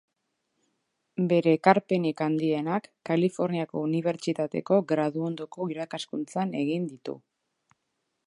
Bere ekarpenik handienak Kaliforniako Unibertsitateko graduondoko irakaskuntzan egin ditu.